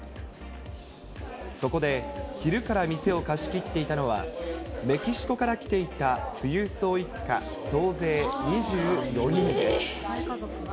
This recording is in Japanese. そこで昼から店を貸し切っていたのは、メキシコから来ていた富裕層一家、総勢２４人です。